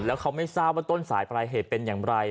แล้วเขาไม่ทราบว่าต้นสายปลายเหตุเป็นอย่างไร